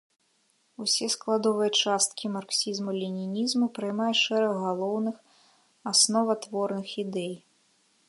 Усе складовыя часткі марксізму-ленінізму праймае шэраг галоўных, асноватворных ідэй.